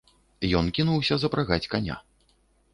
Ён кінуўся запрагаць каня.